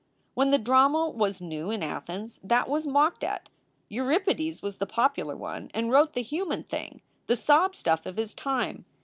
"When the drama was new in Athens that was mocked at, Euripides was the popular one and wrote the human thing, the sob stuff of his time.